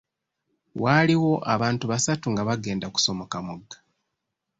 Waaliwo abantu basatu nga bagenda kusomoka mugga.